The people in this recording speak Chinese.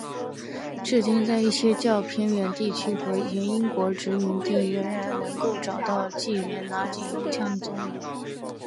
至今在一些较偏远地区和前英国殖民地仍然能够找到忌连拿警用枪的踪影。